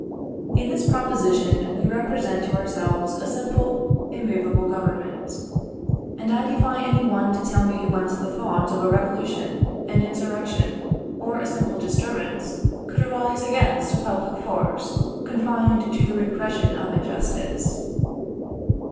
In this proposition we represent to ourselves a simple, immovable Government. And I defy any one to tell me whence the thought of a revolution, an insurrection, or a simple disturbance could arise against a public force confined to the repression of injustice.